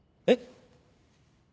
えっ？